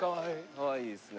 かわいいですね。